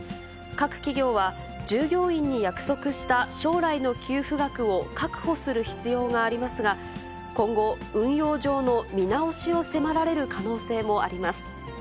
各企業は、従業員に約束した将来の給付額を確保する必要がありますが、今後、運用上の見直しを迫られる可能性もあります。